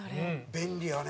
便利やね。